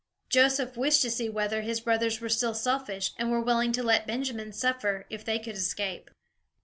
Joseph wished to see whether his brothers were still selfish, and were willing to let Benjamin suffer, if they could escape.